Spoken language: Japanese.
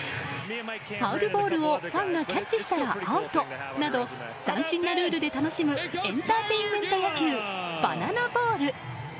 ファウルボールをファンがキャッチしたらアウトなど斬新なルールで楽しむエンターテインメント野球バナナボール。